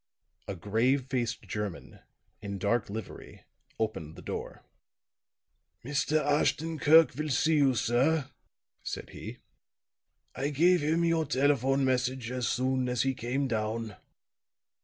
A grave faced German, in dark livery, opened the door. "Mr. Ashton Kirk will see you, sir," said he. "I gave him your telephone message as soon as he came down."